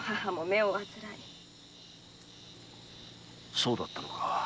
そうだったのか。